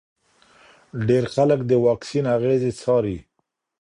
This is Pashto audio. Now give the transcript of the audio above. ډېر خلک د واکسین اغېزې څاري.